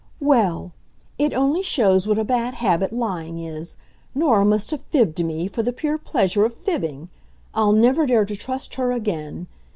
"Well! It only shows what a bad habit lying is. Nora must have fibbed to me, for the pure pleasure of fibbing. I'll never dare to trust her again.